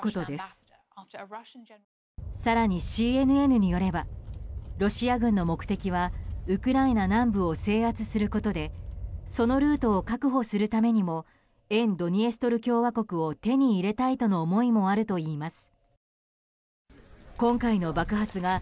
更に、ＣＮＮによればロシア軍の目的はウクライナ南部を制圧することでそのルートを確保するためにも沿ドニエストル共和国を手に入れたいとの思いもあるといいます。